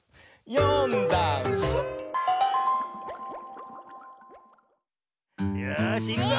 「よんだんす」よしいくぞ！